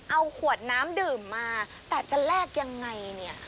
เอาขวดน้ำดื่มมาแต่จะแลกยังไงเนี่ย